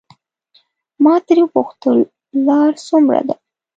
ما ترې وپوښتل لار څومره ده.